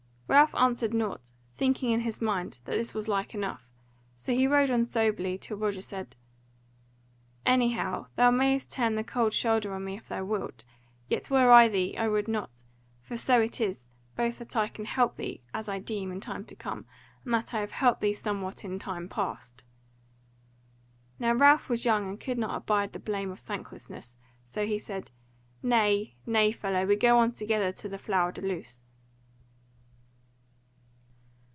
Ralph answered nought, thinking in his mind that this was like enough; so he rode on soberly, till Roger said: "Anyhow, thou mayst turn the cold shoulder on me if thou wilt. Yet were I thee, I would not, for so it is, both that I can help thee, as I deem, in time to come, and that I have helped thee somewhat in time past." Now Ralph was young and could not abide the blame of thanklessness; so he said, "Nay, nay, fellow, go we on together to the Flower de Luce."